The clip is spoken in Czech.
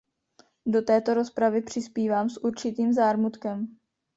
Do této rozpravy přispívám s určitým zármutkem.